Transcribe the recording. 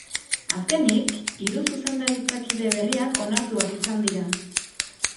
Azkenik, hiru zuzendaritza-kide berriak onartuak izan dira.